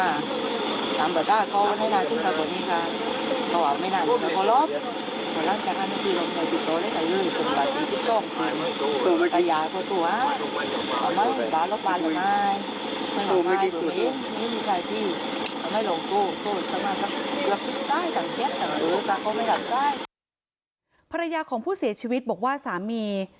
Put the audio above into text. กลับทิ้งใจกลับเทียบก็ไม่กลับใจภรรยาของผู้เสียชีวิตบอกว่าสามี